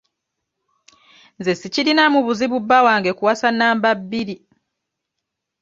Nze sikirinaamu buzibu bba wange kuwasa namba bbiri.